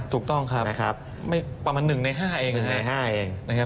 ถูกต้องครับประมาณ๑ใน๕เอง